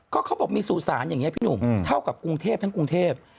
ก็เขาบอกมีสุสานอย่างนี้พี่หนุ่มเท่ากับกรุงเทพทั้งกรุงเทพ